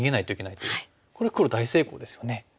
これ黒大成功ですよね。